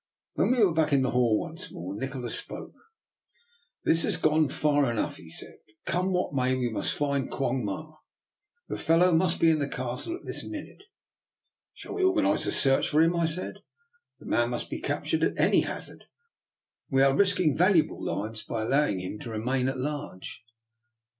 When we were back in the hall once more, Nikola spoke. " This has gone far enough," he said. " Come what may, we must find Quong Ma. The fellow must be in the Castle at this min ute." " Shall we organize a search for him? " I said. " The man must be captured at any hazard; we are risking valuable lives by allow ing him to remain at large."